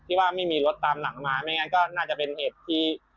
ว่าไม่มีรถตามหลังมาไม่งั้นก็น่าจะเป็นเหตุที่